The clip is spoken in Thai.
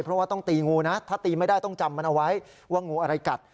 เพราะว่าต้องตีงูนะถ้าตีไม่ได้ต้องจำมันเอาไว้ว่างูอะไรกัด